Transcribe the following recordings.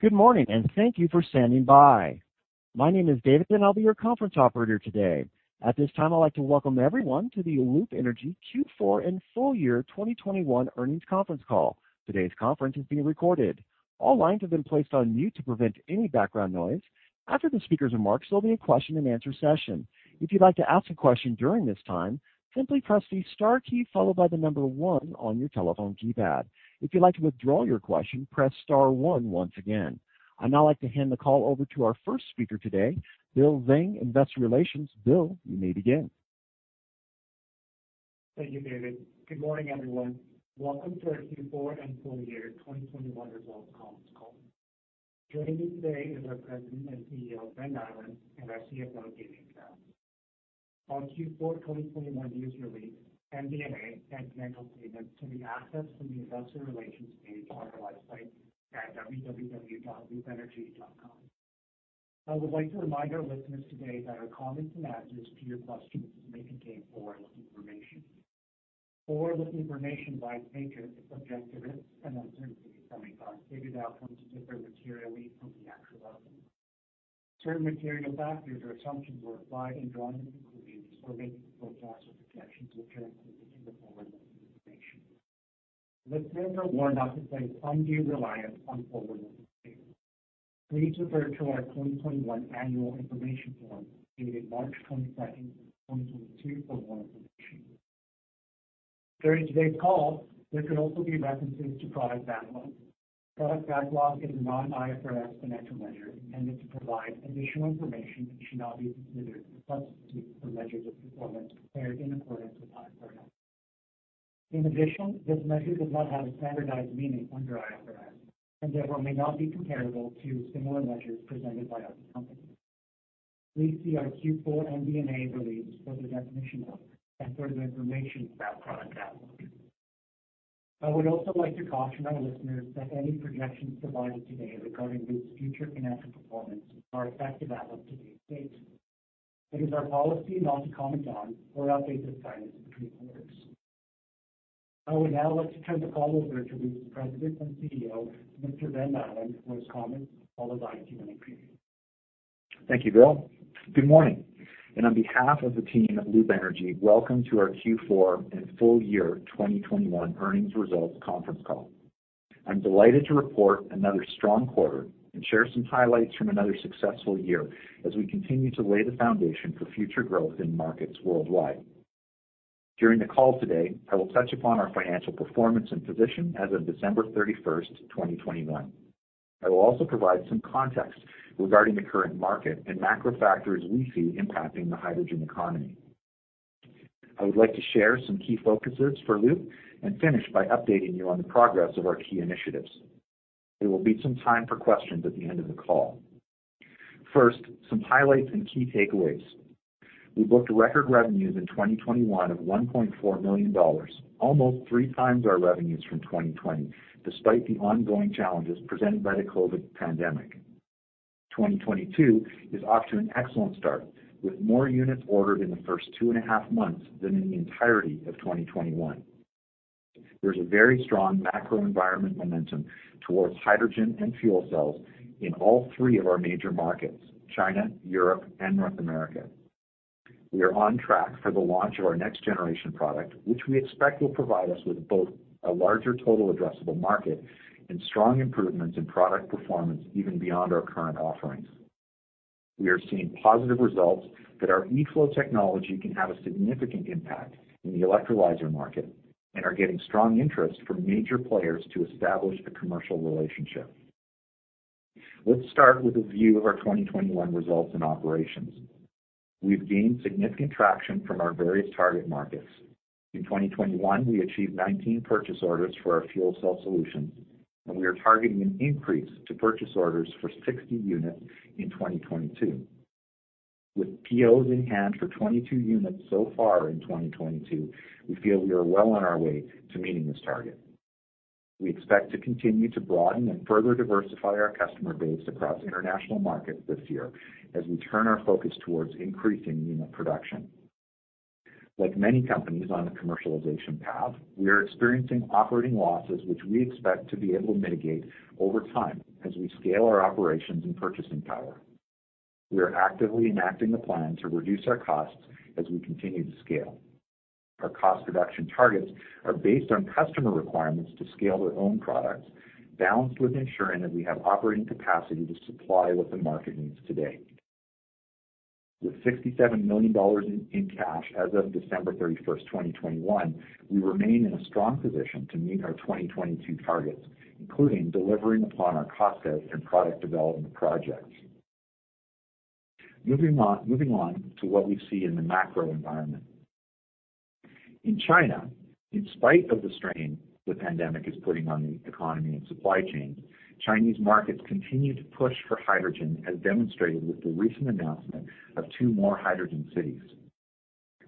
Good morning, and thank you for standing by. My name is David, and I'll be your conference operator today. At this time, I'd like to welcome everyone to the Loop Energy Q4 and full year 2021 earnings conference call. Today's conference is being recorded. All lines have been placed on mute to prevent any background noise. After the speakers' remarks, there'll be a question-and-answer session. If you'd like to ask a question during this time, simply press the star key followed by the number one on your telephone keypad. If you'd like to withdraw your question, press star one once again. I'd now like to hand the call over to our first speaker today, Bill Zhang, Investor Relations. Bill, you may begin. Thank you, David. Good morning, everyone. Welcome to our Q4 and full year 2021 results conference call. Joining me today is our President and CEO, Ben Nyland, and our CFO, Damian Towns. Our Q4 2021 news release, MD&A, and financial statements can be accessed from the Investor Relations page on our website at www.loopenergy.com. I would like to remind our listeners today that our comments and answers to your questions may contain forward-looking information. Forward-looking information by its nature is subject to uncertainty, and outcomes may differ materially from the actual outcome. Certain material factors or assumptions were applied in drawing the conclusions or making the forecasts or projections which are included in the forward-looking information. Listeners are warned not to place undue reliance on forward-looking statements. Please refer to our 2021 annual information form, dated March 22, 2022 for more information. During today's call, there could also be references to product backlog. Product backlog is a non-IFRS financial measure intended to provide additional information that should not be considered a substitute for measures of performance prepared in accordance with IFRS. In addition, this measure does not have a standardized meaning under IFRS, and therefore may not be comparable to similar measures presented by other companies. Please see our Q4 MD&A release for the definition of and further information about product backlog. I would also like to caution our listeners that any projections provided today regarding Loop's future financial performance are effective as of today's date. It is our policy not to comment on or update this guidance between quarters. I would now like to turn the call over to Loop's President and CEO, Mr. Ben Nyland, for his comments, followed by a Q&A period. Thank you, Bill. Good morning, and on behalf of the team at Loop Energy, welcome to our Q4 and full year 2021 earnings results conference call. I'm delighted to report another strong quarter and share some highlights from another successful year as we continue to lay the foundation for future growth in markets worldwide. During the call today, I will touch upon our financial performance and position as of December 31, 2021. I will also provide some context regarding the current market and macro factors we see impacting the hydrogen economy. I would like to share some key focuses for Loop and finish by updating you on the progress of our key initiatives. There will be some time for questions at the end of the call. First, some highlights and key takeaways. We booked record revenues in 2021 of 1.4 million dollars, almost 3x our revenues from 2020, despite the ongoing challenges presented by the COVID pandemic. 2022 is off to an excellent start, with more units ordered in the first 2.5 months than in the entirety of 2021. There's a very strong macro environment momentum towards hydrogen and fuel cells in all three of our major markets, China, Europe, and North America. We are on track for the launch of our next generation product, which we expect will provide us with both a larger total addressable market and strong improvements in product performance even beyond our current offerings. We are seeing positive results that our eFlow technology can have a significant impact in the electrolyzer market and are getting strong interest from major players to establish a commercial relationship. Let's start with a view of our 2021 results and operations. We've gained significant traction from our various target markets. In 2021, we achieved 19 purchase orders for our fuel cell solutions, and we are targeting an increase to purchase orders for 60 units in 2022. With POs in hand for 22 units so far in 2022, we feel we are well on our way to meeting this target. We expect to continue to broaden and further diversify our customer base across international markets this year as we turn our focus towards increasing unit production. Like many companies on the commercialization path, we are experiencing operating losses, which we expect to be able to mitigate over time as we scale our operations and purchasing power. We are actively enacting a plan to reduce our costs as we continue to scale. Our cost reduction targets are based on customer requirements to scale their own products, balanced with ensuring that we have operating capacity to supply what the market needs today. With 67 million dollars in cash as of December 31, 2021, we remain in a strong position to meet our 2022 targets, including delivering upon our cost cuts and product development projects. Moving on to what we see in the macro environment. In China, in spite of the strain the pandemic is putting on the economy and supply chain, Chinese markets continue to push for hydrogen, as demonstrated with the recent announcement of two more hydrogen cities.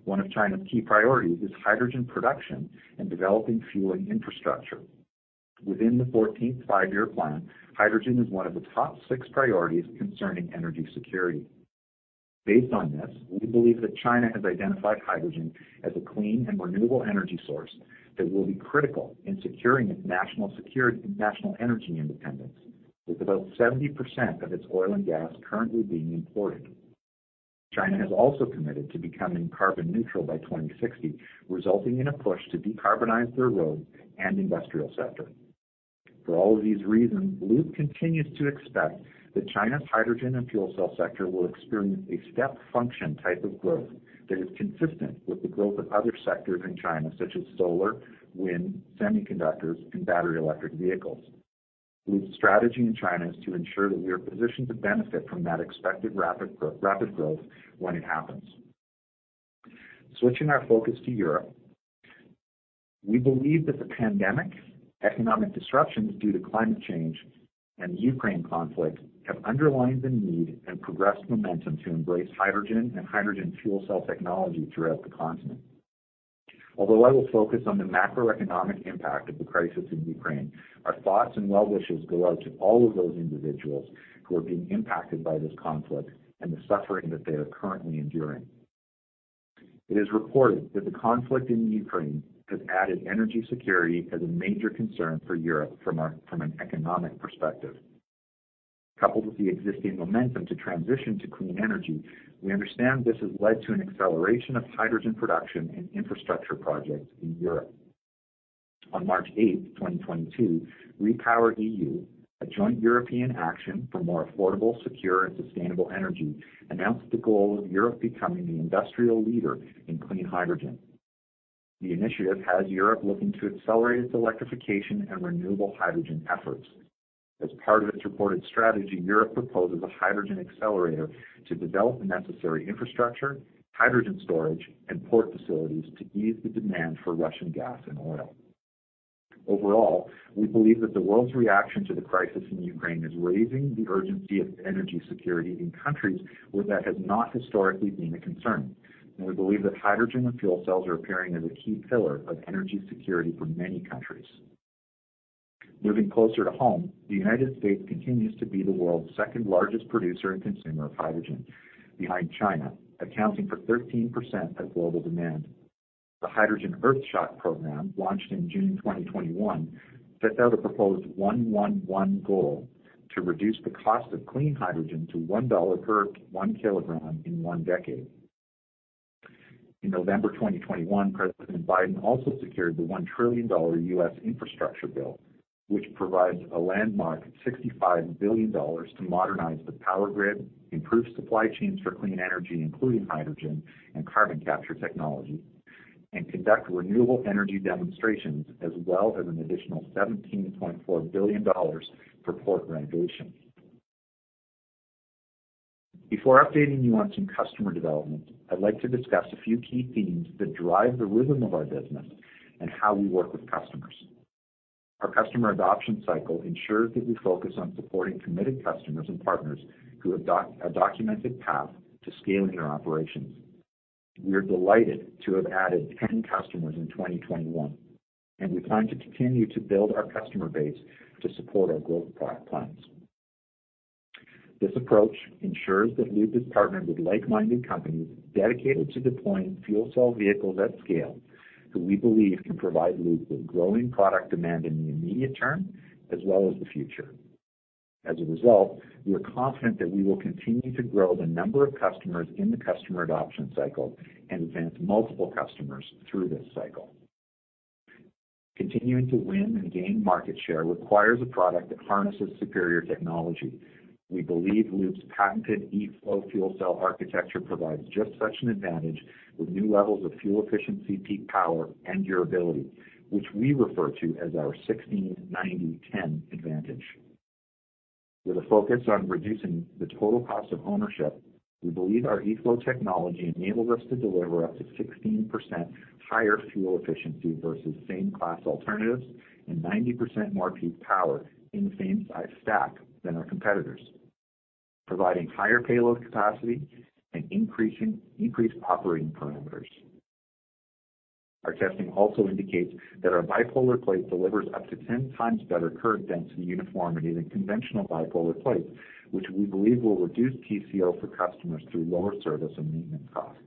One of China's key priorities is hydrogen production and developing fueling infrastructure. Within the 14th Five-Year Plan, hydrogen is one of the top six priorities concerning energy security. Based on this, we believe that China has identified hydrogen as a clean and renewable energy source that will be critical in securing its national security, national energy independence, with about 70% of its oil and gas currently being imported. China has also committed to becoming carbon neutral by 2060, resulting in a push to decarbonize their road and industrial sector. For all of these reasons, Loop continues to expect that China's hydrogen and fuel cell sector will experience a step function type of growth that is consistent with the growth of other sectors in China, such as solar, wind, semiconductors, and battery electric vehicles. Loop's strategy in China is to ensure that we are positioned to benefit from that expected rapid growth when it happens. Switching our focus to Europe. We believe that the pandemic, economic disruptions due to climate change, and the Ukraine conflict have underlined the need and progressed momentum to embrace hydrogen and hydrogen fuel cell technology throughout the continent. Although I will focus on the macroeconomic impact of the crisis in Ukraine, our thoughts and well wishes go out to all of those individuals who are being impacted by this conflict and the suffering that they are currently enduring. It is reported that the conflict in Ukraine has added energy security as a major concern for Europe from an economic perspective. Coupled with the existing momentum to transition to clean energy, we understand this has led to an acceleration of hydrogen production and infrastructure projects in Europe. On March 8th, 2022, REPowerEU, a joint European action for more affordable, secure, and sustainable energy, announced the goal of Europe becoming the industrial leader in clean hydrogen. The initiative has Europe looking to accelerate its electrification and renewable hydrogen efforts. As part of its reported strategy, Europe proposes a hydrogen accelerator to develop the necessary infrastructure, hydrogen storage, and port facilities to ease the demand for Russian gas and oil. Overall, we believe that the world's reaction to the crisis in Ukraine is raising the urgency of energy security in countries where that has not historically been a concern, and we believe that hydrogen and fuel cells are appearing as a key pillar of energy security for many countries. Moving closer to home, the United States continues to be the world's second-largest producer and consumer of hydrogen, behind China, accounting for 13% of global demand. The Hydrogen Earthshot program, launched in June 2021, sets out a proposed 1-1-1 goal to reduce the cost of clean hydrogen to $1 per 1 kg in one decade. In November 2021, President Biden also secured the $1 trillion U.S. infrastructure bill, which provides a landmark $65 billion to modernize the power grid, improve supply chains for clean energy, including hydrogen and carbon capture technology, and conduct renewable energy demonstrations, as well as an additional $17.4 billion for port renovations. Before updating you on some customer development, I'd like to discuss a few key themes that drive the rhythm of our business and how we work with customers. Our customer adoption cycle ensures that we focus on supporting committed customers and partners through a documented path to scaling their operations. We are delighted to have added 10 customers in 2021, and we plan to continue to build our customer base to support our growth plans. This approach ensures that Loop is partnered with like-minded companies dedicated to deploying fuel cell vehicles at scale who we believe can provide Loop with growing product demand in the immediate term as well as the future. As a result, we are confident that we will continue to grow the number of customers in the customer adoption cycle and advance multiple customers through this cycle. Continuing to win and gain market share requires a product that harnesses superior technology. We believe Loop's patented eFlow fuel cell architecture provides just such an advantage with new levels of fuel efficiency, peak power, and durability, which we refer to as our 16-90-10 advantage. With a focus on reducing the total cost of ownership, we believe our eFlow technology enables us to deliver up to 16% higher fuel efficiency versus same-class alternatives and 90% more peak power in the same size stack than our competitors, providing higher payload capacity and decreased operating parameters. Our testing also indicates that our bipolar plate delivers up to 10x better current density uniformity than conventional bipolar plates, which we believe will reduce TCO for customers through lower service and maintenance costs.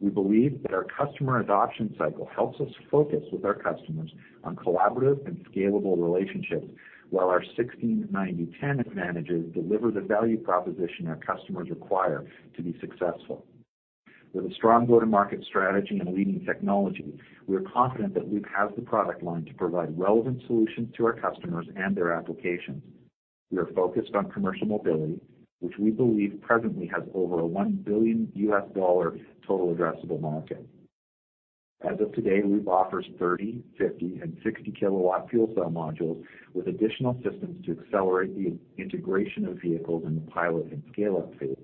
We believe that our customer adoption cycle helps us focus with our customers on collaborative and scalable relationships, while our 16-90-10 advantages deliver the value proposition our customers require to be successful. With a strong go-to-market strategy and a leading technology, we are confident that Loop has the product line to provide relevant solutions to our customers and their applications. We are focused on commercial mobility, which we believe presently has over a $1 billion total addressable market. As of today, Loop offers 30, 50, and 60 kW fuel cell modules with additional systems to accelerate the integration of vehicles in the pilot and scale-up phases.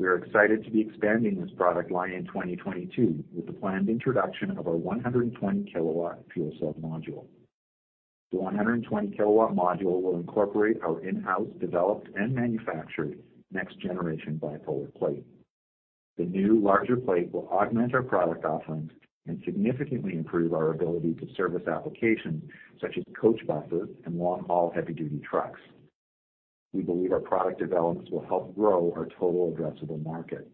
We are excited to be expanding this product line in 2022 with the planned introduction of our 120 kW fuel cell module. The 120 kW module will incorporate our in-house developed and manufactured next generation bipolar plate. The new larger plate will augment our product offerings and significantly improve our ability to service applications such as coach buses and long-haul heavy-duty trucks. We believe our product developments will help grow our total addressable market.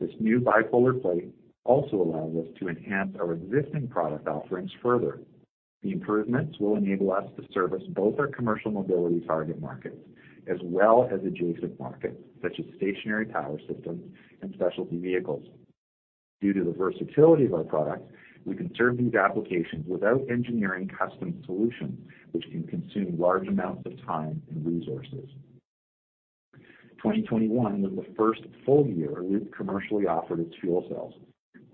This new bipolar plate also allows us to enhance our existing product offerings further. The improvements will enable us to service both our commercial mobility target markets as well as adjacent markets such as stationary power systems and specialty vehicles. Due to the versatility of our products, we can serve these applications without engineering custom solutions, which can consume large amounts of time and resources. 2021 was the first full year Loop commercially offered its fuel cells,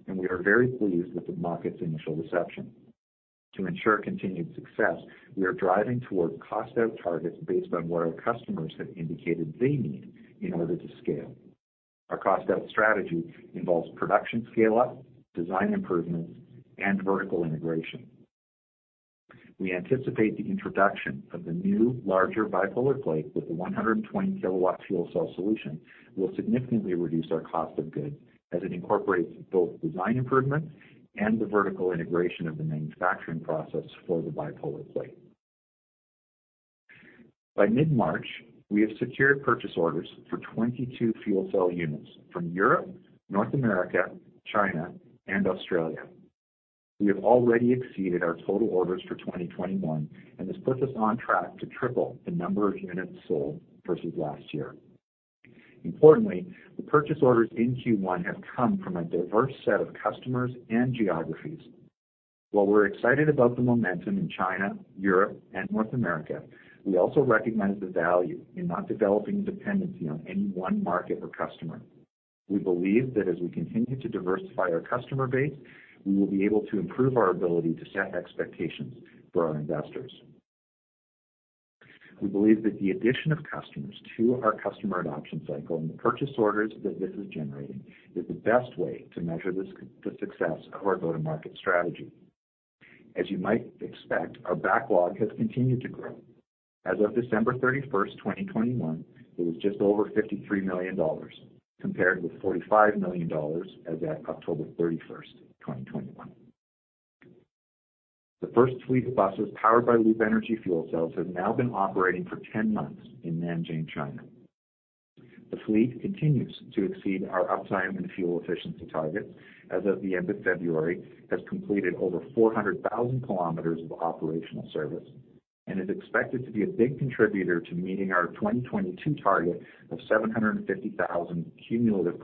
and we are very pleased with the market's initial reception. To ensure continued success, we are driving toward cost out targets based on what our customers have indicated they need in order to scale. Our cost-out strategy involves production scale-up, design improvements, and vertical integration. We anticipate the introduction of the new larger bipolar plate with the 120 kW fuel cell solution will significantly reduce our cost of goods as it incorporates both design improvements and the vertical integration of the manufacturing process for the bipolar plate. By mid-March, we have secured purchase orders for 22 fuel cell units from Europe, North America, China, and Australia. We have already exceeded our total orders for 2021, and this puts us on track to triple the number of units sold versus last year. Importantly, the purchase orders in Q1 have come from a diverse set of customers and geographies. While we're excited about the momentum in China, Europe, and North America, we also recognize the value in not developing dependency on any one market or customer. We believe that as we continue to diversify our customer base, we will be able to improve our ability to set expectations for our investors. We believe that the addition of customers to our customer adoption cycle and the purchase orders that this is generating is the best way to measure the success of our go-to-market strategy. As you might expect, our backlog has continued to grow. As of December 31, 2021, it was just over 53 million dollars compared with 45 million dollars as at October 31, 2021. The first fleet of buses powered by Loop Energy fuel cells have now been operating for 10 months in Nanjing, China. The fleet continues to exceed our uptime and fuel efficiency targets. As of the end of February, it has completed over 400,000 km of operational service and is expected to be a big contributor to meeting our 2022 target of 750,000 km cumulative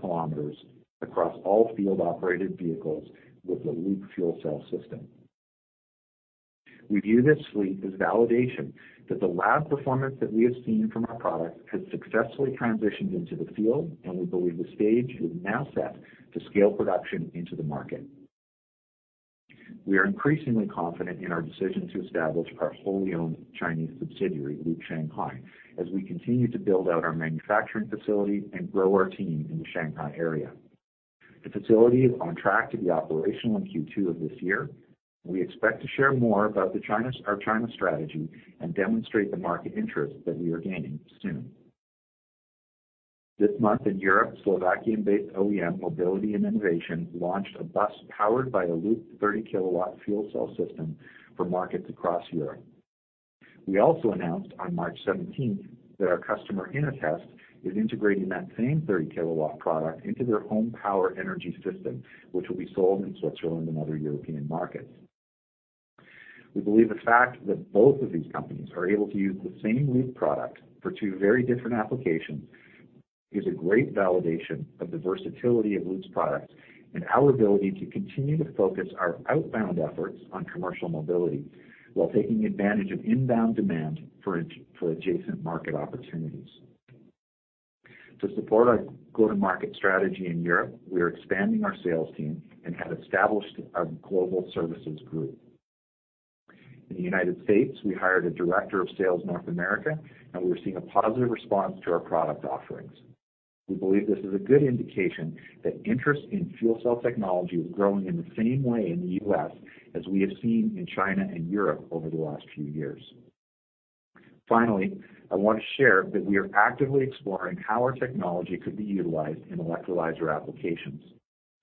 across all field-operated vehicles with the Loop fuel cell system. We view this fleet as validation that the lab performance that we have seen from our products has successfully transitioned into the field, and we believe the stage is now set to scale production into the market. We are increasingly confident in our decision to establish our wholly owned Chinese subsidiary, Loop Shanghai, as we continue to build out our manufacturing facility and grow our team in the Shanghai area. The facility is on track to be operational in Q2 of this year. We expect to share more about our China strategy and demonstrate the market interest that we are gaining soon. This month in Europe, Slovakia-based OEM Mobility & Innovation launched a bus powered by a Loop 30 kW fuel cell system for markets across Europe. We also announced on March 17 that our customer, Innotest, is integrating that same 30 kW product into their home power energy system, which will be sold in Switzerland and other European markets. We believe the fact that both of these companies are able to use the same Loop product for two very different applications is a great validation of the versatility of Loop's product and our ability to continue to focus our outbound efforts on commercial mobility while taking advantage of inbound demand for adjacent market opportunities. To support our go-to-market strategy in Europe, we are expanding our sales team and have established a global services group. In the United States, we hired a director of sales, North America, and we're seeing a positive response to our product offerings. We believe this is a good indication that interest in fuel cell technology is growing in the same way in the U.S. as we have seen in China and Europe over the last few years. Finally, I want to share that we are actively exploring how our technology could be utilized in electrolyzer applications.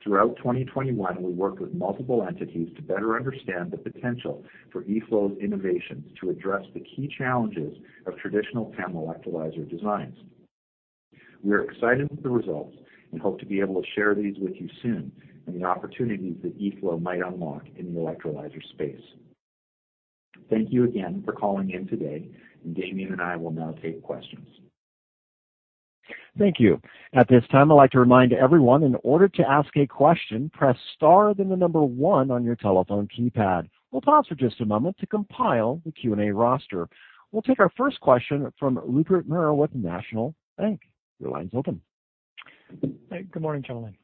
Throughout 2021, we worked with multiple entities to better understand the potential for eFlow's innovations to address the key challenges of traditional PEM electrolyzer designs. We are excited with the results and hope to be able to share these with you soon and the opportunities that eFlow might unlock in the electrolyzer space. Thank you again for calling in today, and Damian and I will now take questions. Thank you. At this time, I'd like to remind everyone in order to ask a question, press star then the number one on your telephone keypad. We'll pause for just a moment to compile the Q&A roster. We'll take our first question from Rupert Merer with National Bank. Your line's open. Good morning, gentlemen.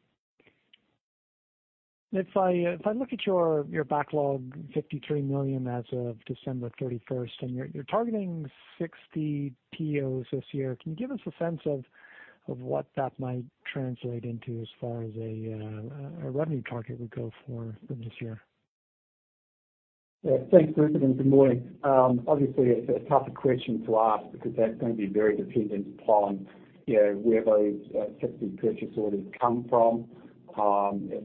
If I look at your backlog, 53 million as of December 31, and you're targeting 60 POs this year, can you give us a sense of what that might translate into as far as a revenue target would go for this year? Yeah. Thanks, Rupert, and good morning. Obviously it's a tougher question to ask because that's gonna be very dependent upon, you know, where those 60 purchase orders come from,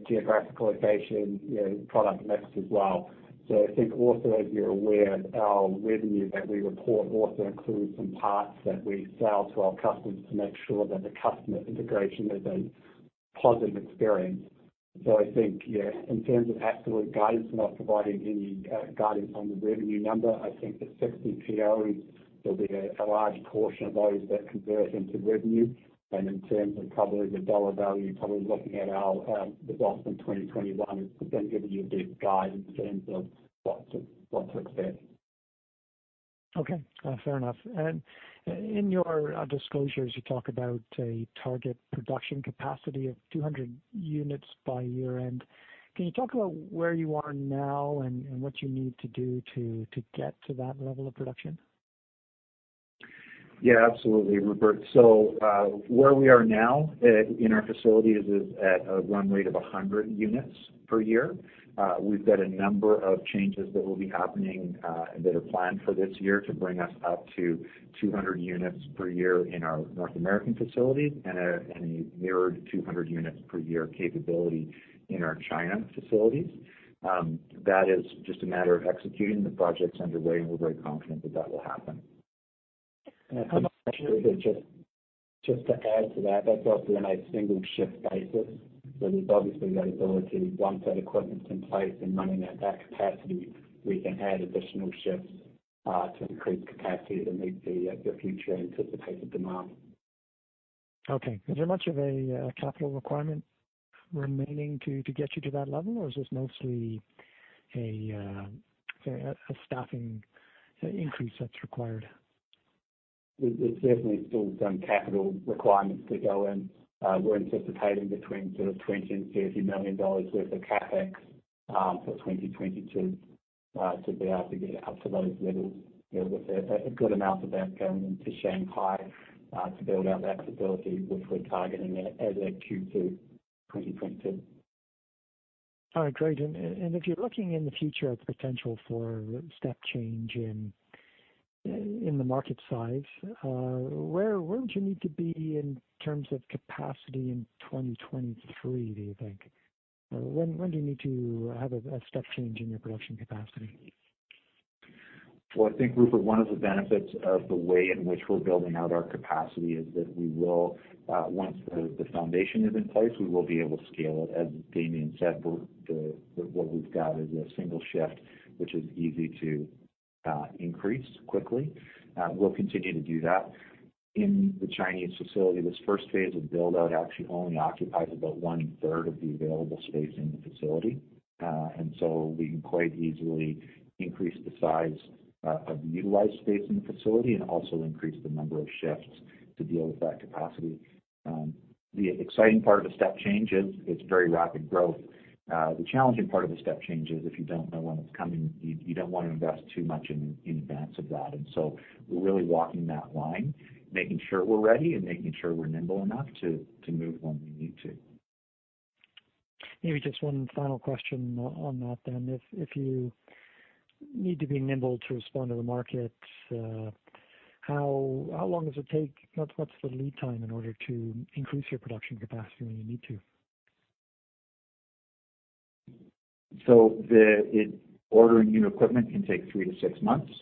geographical location, you know, product mix as well. I think also, as you're aware, our revenue that we report also includes some parts that we sell to our customers to make sure that the customer integration is a positive experience. I think, yeah, in terms of absolute guidance, we're not providing any guidance on the revenue number. I think the 60 POs, there'll be a large portion of those that convert into revenue. In terms of covering the dollar value, probably looking at our, the backlog in 2021, that doesn't give you a good guide in terms of what to expect. Okay. Fair enough. In your disclosures, you talk about a target production capacity of 200 units by year-end. Can you talk about where you are now and what you need to do to get to that level of production? Yeah, absolutely, Rupert. Where we are now in our facilities is at a run rate of 100 units per year. We've got a number of changes that will be happening that are planned for this year to bring us up to 200 units per year in our North American facility and a mirrored 200 units per year capability in our China facilities. That is just a matter of executing the projects underway, and we're very confident that that will happen. Just to add to that's also on a single shift basis. There's obviously the ability, once that equipment's in place and running at that capacity, we can add additional shifts to increase capacity to meet the future anticipated demand. Okay. Is there much of a capital requirement remaining to get you to that level? Or is this mostly a staffing increase that's required? There's certainly still some capital requirements to go in. We're anticipating between sort of 20 million dollars and CAD 30 million worth of CapEx for 2022 to be able to get up to those levels. You know, with a good amount of that going into Shanghai to build out that facility, which we're targeting at Q2 2022. All right, great. If you're looking in the future at the potential for step change in the market size, where would you need to be in terms of capacity in 2023, do you think? When do you need to have a step change in your production capacity? Well, I think, Rupert, one of the benefits of the way in which we're building out our capacity is that we will, once the foundation is in place, we will be able to scale it. As Damian said, what we've got is a single shift, which is easy to increase quickly. We'll continue to do that. In the Chinese facility, this first phase of build-out actually only occupies about 1/3 of the available space in the facility. We can quite easily increase the size of the utilized space in the facility and also increase the number of shifts to deal with that capacity. The exciting part of a step change is it's very rapid growth. The challenging part of a step change is if you don't know when it's coming, you don't wanna invest too much in advance of that. We're really walking that line, making sure we're ready and making sure we're nimble enough to move when we need to. Maybe just one final question on that then. If you need to be nimble to respond to the market, how long does it take? What's the lead time in order to increase your production capacity when you need to? Ordering new equipment can take three to six months.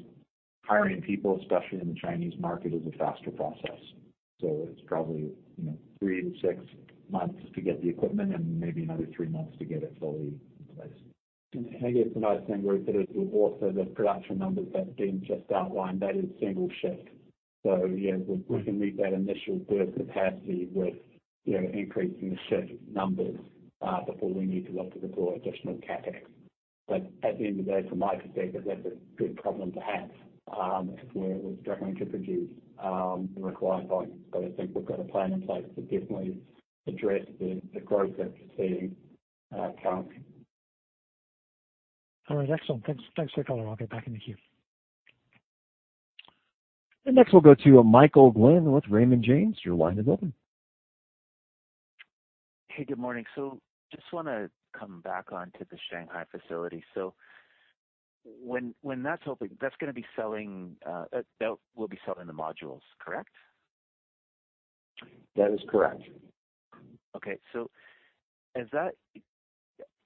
Hiring people, especially in the Chinese market, is a faster process. It's probably, you know, three to six months to get the equipment and maybe another three months to get it fully in place. I guess the last thing, Rupert, is also the production numbers that Ben just outlined, that is single shift. Yeah, we can meet that initial burst capacity with, you know, increasing the shift numbers before we need to look to deploy additional CapEx. At the end of the day, from my perspective, that's a good problem to have if we're struggling to produce the required volumes. I think we've got a plan in place to definitely address the growth that we're seeing currently. All right. Excellent. Thanks. Thanks for calling. I'll get back in the queue. Next we'll go to Michael Glen with Raymond James. Your line is open. Hey, good morning. Just wanna come back onto the Shanghai facility. When that's open, that will be selling the modules, correct? That is correct. Okay.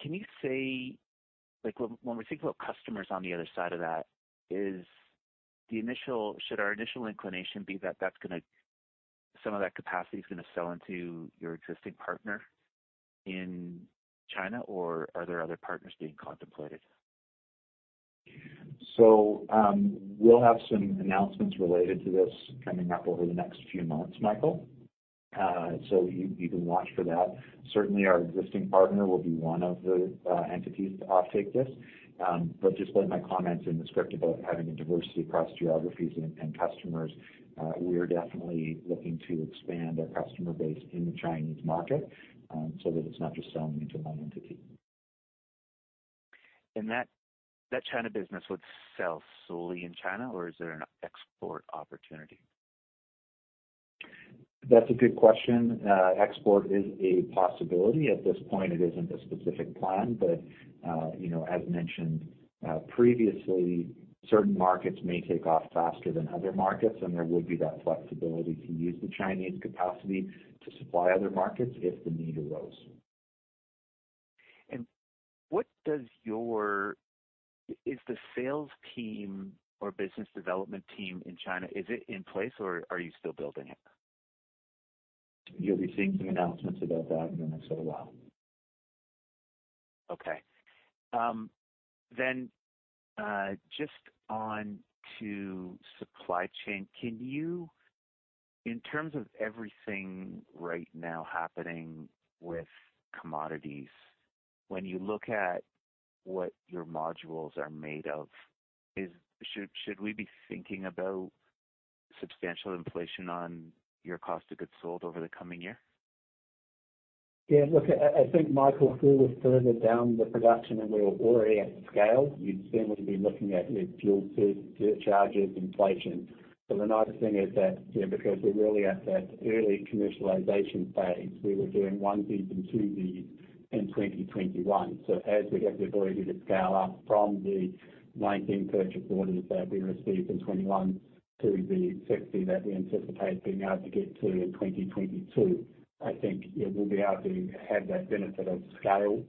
Can you say, like, when we think about customers on the other side of that, should our initial inclination be that some of that capacity is gonna sell into your existing partner in China, or are there other partners being contemplated? We'll have some announcements related to this coming up over the next few months, Michael. You can watch for that. Certainly, our existing partner will be one of the entities to offtake this. Just by my comments in the script about having a diversity across geographies and customers, we are definitely looking to expand our customer base in the Chinese market, so that it's not just selling into one entity. That China business would sell solely in China, or is there an export opportunity? That's a good question. Export is a possibility. At this point, it isn't a specific plan, but, you know, as mentioned, previously, certain markets may take off faster than other markets, and there would be that flexibility to use the Chinese capacity to supply other markets if the need arose. Is the sales team or business development team in China in place or are you still building it? You'll be seeing some announcements about that in the next little while. Okay. Just on to supply chain. In terms of everything right now happening with commodities, when you look at what your modules are made of, should we be thinking about substantial inflation on your cost of goods sold over the coming year? Yeah, look, I think Michael, if we were further down the production and we were already at scale, you'd certainly be looking at fuel surcharges, inflation. The nice thing is that, you know, because we're really at that early commercialization phase, we were doing 1 GW and 2 GW in 2021. As we get the ability to scale up from the 19 purchase orders that we received in 2021 to the 60 that we anticipate being able to get to in 2022, I think, yeah, we'll be able to have that benefit of scale,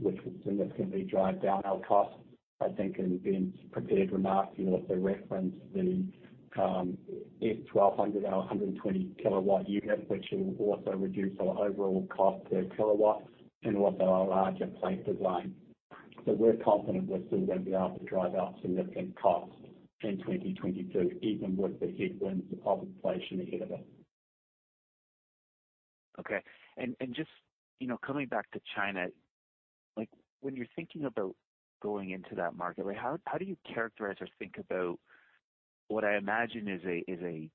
which will significantly drive down our costs. I think in Ben's prepared remarks, he also referenced the S1200, our 120 kW unit, which will also reduce our overall cost per kilowatt and also our larger plant design. We're confident we're still gonna be able to drive out significant cost in 2022, even with the headwinds of inflation ahead of us. Okay. Just, you know, coming back to China, like, when you're thinking about going into that market, like, how do you characterize or think about what I imagine is a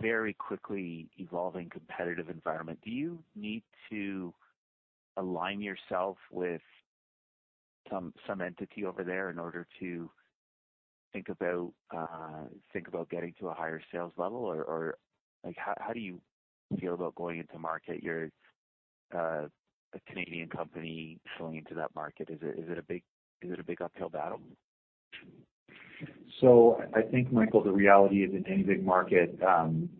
very quickly evolving competitive environment? Do you need to align yourself with some entity over there in order to think about getting to a higher sales level? Or like, how do you feel about going into market? You're a Canadian company going into that market. Is it a big uphill battle? I think, Michael, the reality is in any big market,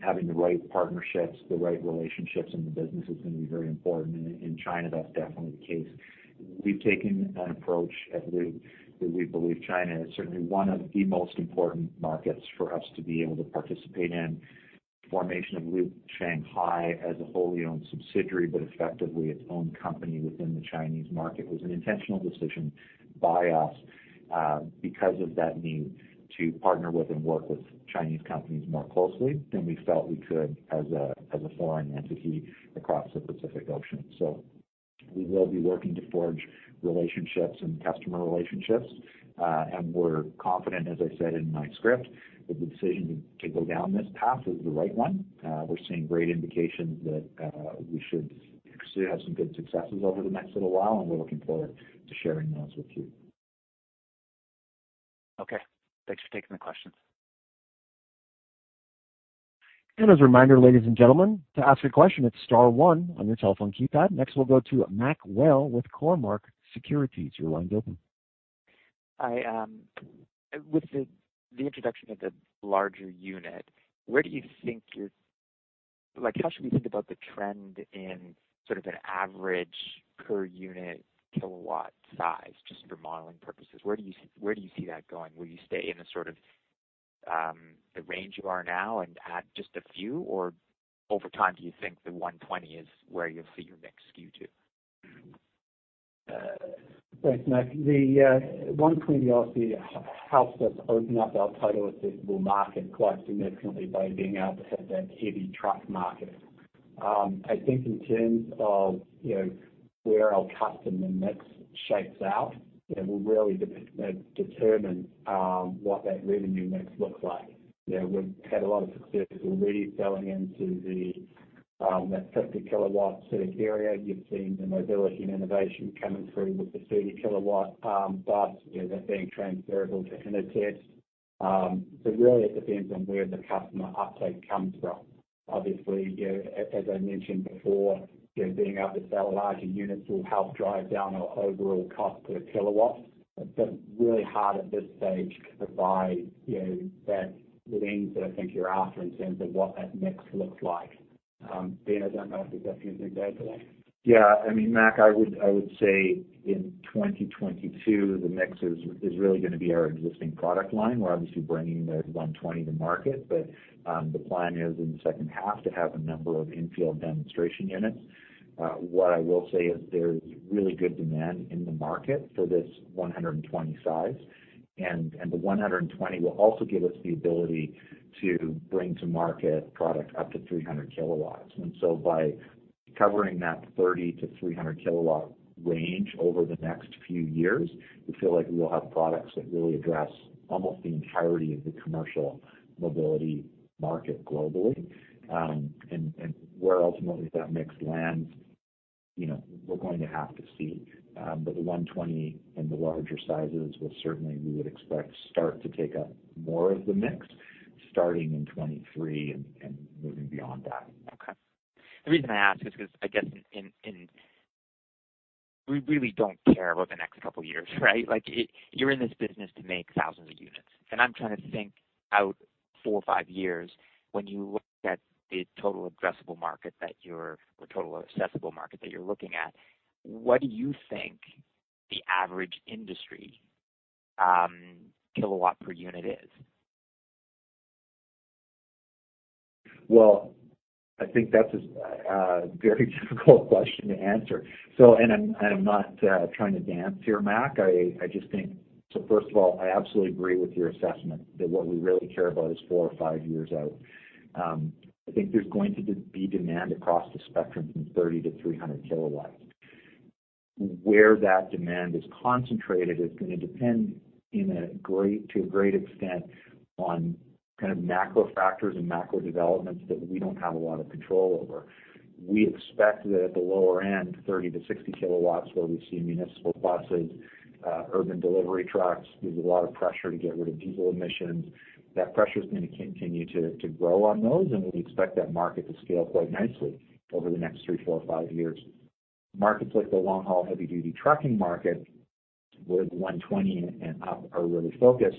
having the right partnerships, the right relationships in the business is gonna be very important. In China, that's definitely the case. We've taken an approach at Loop that we believe China is certainly one of the most important markets for us to be able to participate in. Formation of Loop Shanghai as a wholly owned subsidiary, but effectively its own company within the Chinese market, was an intentional decision by us, because of that need to partner with and work with Chinese companies more closely than we felt we could as a foreign entity across the Pacific Ocean. We will be working to forge relationships and customer relationships. And we're confident, as I said in my script, that the decision to go down this path is the right one. We're seeing great indications that we should soon have some good successes over the next little while, and we're looking forward to sharing those with you. Okay. Thanks for taking the questions. As a reminder, ladies and gentlemen, to ask a question, it's star one on your telephone keypad. Next, we'll go to Mac Whale with Cormark Securities. Your line's open. With the introduction of the larger unit, like, how should we think about the trend in sort of an average per unit kilowatt size, just for modeling purposes? Where do you see that going? Will you stay in the sort of, the range you are now and add just a few? Or over time, do you think the 120 kW is where you'll see your mix skew to? Thanks, Mac. The 120 kW obviously helps us open up our total addressable market quite significantly by being able to hit that heavy truck market. I think in terms of, you know, where our customer mix shapes up, you know, will really determine what that revenue mix looks like. You know, we've had a lot of success already selling into the 50 kW sort of area. You've seen the Mobility & Innovation coming through with the 30 kW bus. You know, that's being transferable to inner cities. Really it depends on where the customer uptake comes from. Obviously, you know, as I mentioned before, you know, being able to sell larger units will help drive down our overall cost per kilowatt. It's really hard at this stage to provide, you know, that reading that I think you're after in terms of what that mix looks like. Ben, I don't know if you've got anything to add to that. Yeah, I mean, Mac, I would say in 2022, the mix is really gonna be our existing product line. We're obviously bringing the 120 kW to market, but the plan is in the second half to have a number of in-field demonstration units. What I will say is there's really good demand in the market for this 120 kW size. The 120 kW will also give us the ability to bring to market product up to 300 kW. By covering that 30-300 kW range over the next few years, we feel like we will have products that really address almost the entirety of the commercial mobility market globally. Where ultimately that mix lands, you know, we're going to have to see. The 120 kW and the larger sizes will certainly, we would expect, start to take up more of the mix starting in 2023 and moving beyond that. Okay. The reason I ask is because I guess we really don't care about the next couple years, right? Like you're in this business to make thousands of units, and I'm trying to think out four or five years when you look at the total addressable market that you're or total accessible market that you're looking at, what do you think the average industry kilowatt per unit is? Well, I think that's a very difficult question to answer. I'm not trying to dance here, Mac. I just think first of all, I absolutely agree with your assessment that what we really care about is four or five years out. I think there's going to be demand across the spectrum from 30-300 kW. Where that demand is concentrated is gonna depend to a great extent on kind of macro factors and macro developments that we don't have a lot of control over. We expect that at the lower end, 30-60 kW, where we see municipal buses, urban delivery trucks, there's a lot of pressure to get rid of diesel emissions. That pressure is gonna continue to grow on those, and we expect that market to scale quite nicely over the next three, four, five years. Markets like the long-haul heavy-duty trucking market, where the 120 kW and up are really focused,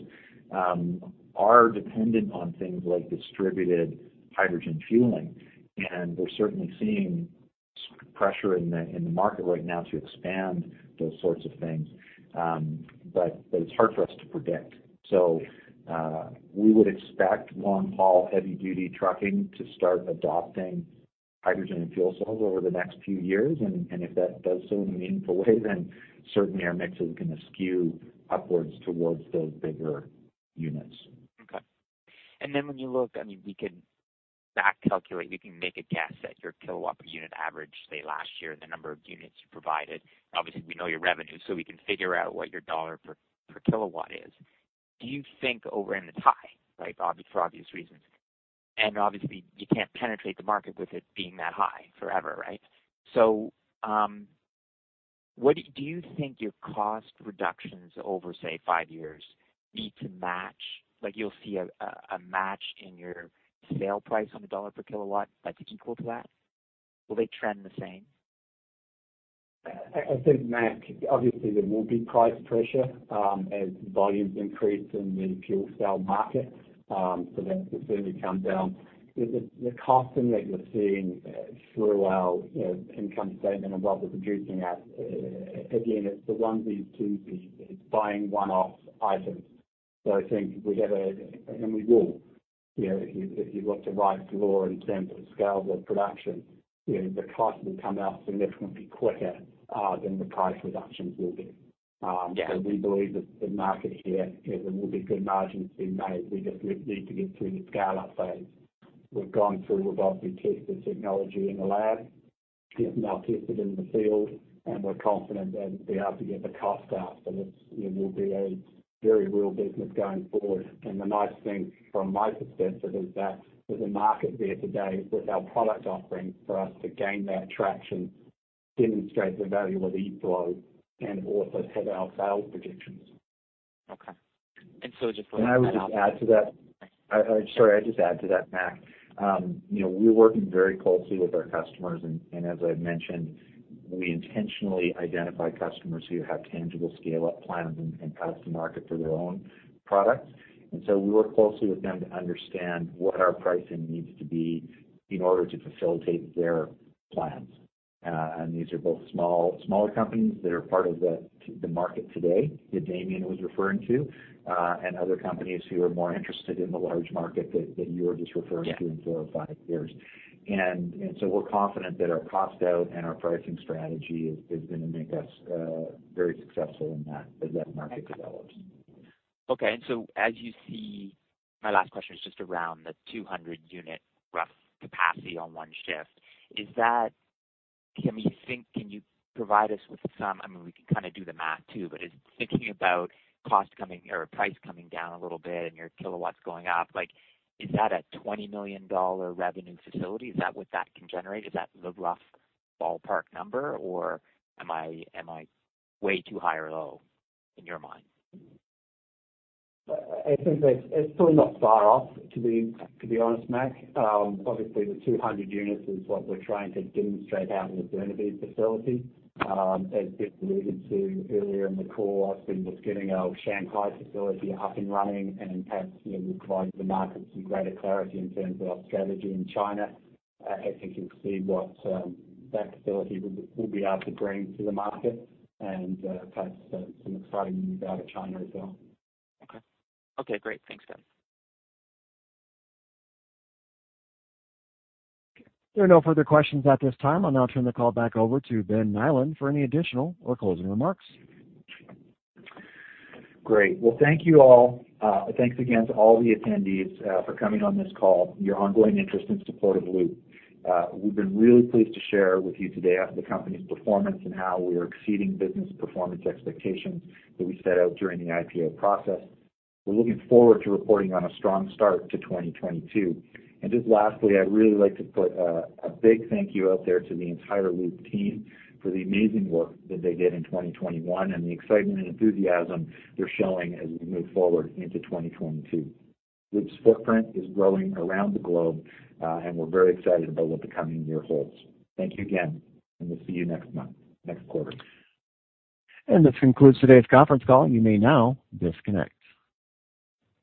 are dependent on things like distributed hydrogen fueling. We're certainly seeing pressure in the market right now to expand those sorts of things. But it's hard for us to predict. We would expect long-haul heavy-duty trucking to start adopting hydrogen and fuel cells over the next few years, and if that does so in a meaningful way, then certainly our mix is gonna skew upwards towards those bigger units. Okay. Then when you look, I mean, we can back calculate, we can make a guess at your kilowatt per unit average, say, last year, the number of units you provided. Obviously, we know your revenue, so we can figure out what your dollar per kilowatt is. Do you think it's high, right? Obviously, for obvious reasons. You can't penetrate the market with it being that high forever, right? Do you think your cost reductions over, say, five years need to match? Like, you'll see a match in your sale price on a dollar per kilowatt that's equal to that. Will they trend the same? I think, Mac, obviously there will be price pressure, as volumes increase in the fuel cell market, so that will certainly come down. The costing that you're seeing through our, you know, income statement and what we're producing at, again, it's the onesie-twosie. It's buying one-off items. So I think we have a. We will, you know, if you got the right draw in terms of scale of production, you know, the cost will come out significantly quicker than the price reductions will be. We believe that the market here, there will be good margins being made. We just need to get through the scale-up phase. We've obviously tested technology in the lab, now tested in the field, and we're confident that we'll be able to get the cost down so that, you know, it will be a very real business going forward. The nice thing from my perspective is that there's a market there today with our product offering for us to gain that traction, demonstrate the value of eFlow, and also hit our sales projections. Okay. Just for- I would just add to that. Sorry, I'd just add to that, Mac. You know, we're working very closely with our customers and as I've mentioned, we intentionally identify customers who have tangible scale-up plans and paths to market for their own products. We work closely with them to understand what our pricing needs to be in order to facilitate their plans. These are both smaller companies that are part of the market today that Damian was referring to, and other companies who are more interested in the large market that you were just referring to in four or five years. We're confident that our cost out and our pricing strategy is gonna make us very successful in that as that market develops. Okay. As you see, my last question is just around the 200-unit rough capacity on one shift. Can you provide us with some, I mean, we can kinda do the math too, but is thinking about cost coming or price coming down a little bit and your kilowatts going up, like is that a 20 million dollar revenue facility? Is that what that can generate? Is that the rough ballpark number, or am I way too high or low in your mind? I think that it's probably not far off, to be honest, Mac. Obviously, the 200 units is what we're trying to demonstrate out in the Burnaby facility. As Ben alluded to earlier in the call, obviously we're getting our Shanghai facility up and running and perhaps, you know, we provide the market some greater clarity in terms of our strategy in China. I think you'll see what that facility will be able to bring to the market and perhaps some exciting news out of China as well. Okay. Okay, great. Thanks, guys. There are no further questions at this time. I'll now turn the call back over to Ben Nyland for any additional or closing remarks. Great. Well, thank you all. Thanks again to all the attendees for coming on this call, your ongoing interest and support of Loop. We've been really pleased to share with you today the company's performance and how we are exceeding business performance expectations that we set out during the IPO process. We're looking forward to reporting on a strong start to 2022. Just lastly, I'd really like to put a big thank you out there to the entire Loop team for the amazing work that they did in 2021 and the excitement and enthusiasm they're showing as we move forward into 2022. Loop's footprint is growing around the globe, and we're very excited about what the coming year holds. Thank you again, and we'll see you next month, next quarter. This concludes today's conference call. You may now disconnect.